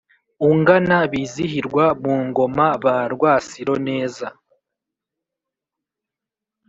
ungana bizihirwa mu ngoma ba rwasiro neza